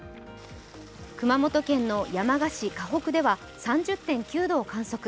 熊本県の山鹿市鹿北では３０．９度を観測。